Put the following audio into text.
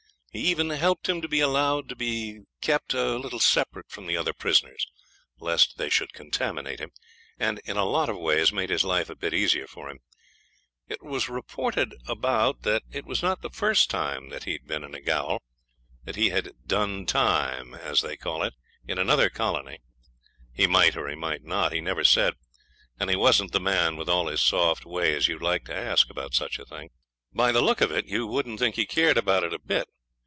He even helped him to be allowed to be kept a little separate from the other prisoners (lest they should contaminate him!), and in lots of ways made his life a bit easier to him. It was reported about that it was not the first time that he had been in a gaol. That he'd 'done time', as they call it, in another colony. He might or he might not. He never said. And he wasn't the man, with all his soft ways, you'd like to ask about such a thing. By the look of it you wouldn't think he cared about it a bit.